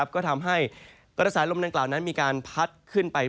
ก็ทำให้กระแสลมดังกล่าวนั้นมีการพัดขึ้นไป